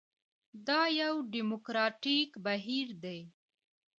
دا یو ډیموکراټیک بهیر دی.